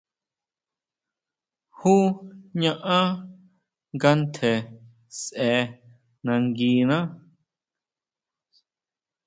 ¿Jú ñaʼán nga ntje sʼe nanguiná?